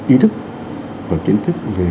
ý thức và kiến thức về